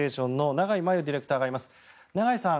永井さん